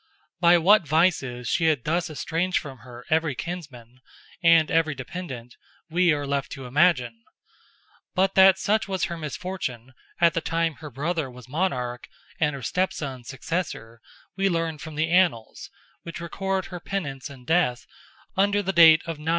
By what vices she had thus estranged from her every kinsman, and every dependent, we are left to imagine; but that such was her misfortune, at the time her brother was monarch, and her step son successor, we learn from the annals, which record her penance and death, under the date of 948.